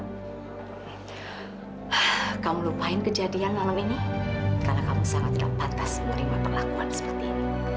hah kamu lupain kejadian malam ini karena kamu sangat tidak patah menerima perlakuan seperti ini